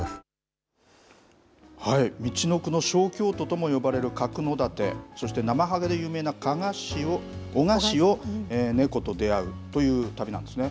みちのくの小京都とも呼ばれる角館そしてなまはげで有名な男鹿市を猫と出会うという旅なんですね。